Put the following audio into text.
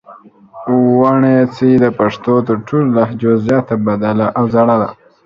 وڼېڅي د پښتو تر ټولو لهجو زیاته بدله او زړه ده